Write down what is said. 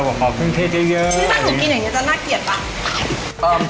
ชอบกินแบบนี้จะน่าเกลียดปะ